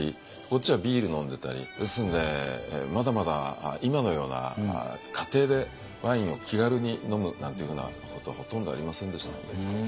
こっちはビール飲んでたりですのでまだまだ今のような家庭でワインを気軽に飲むなんていうふうなことはほとんどありませんでしたので。